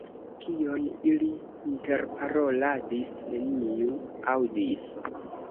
Kion ili interparoladis, neniu aŭdis.